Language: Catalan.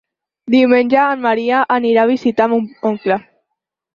Diumenge en Maria anirà a visitar mon oncle.